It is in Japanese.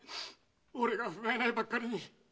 俺がふがいないばっかりに。